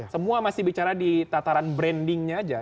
semua masih bicara di tataran brandingnya aja